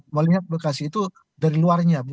melihat bekasi itu dari luarnya